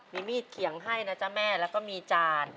มีมีดเขียงให้นะจ๊ะแม่แล้วก็มีจาน